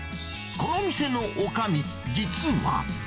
この店のおかみ、実は。